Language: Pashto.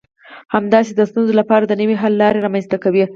همداسې د ستونزو لپاره د نوي حل لارې رامنځته کوي.